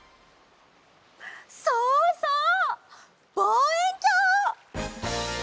そうそうぼうえんきょう！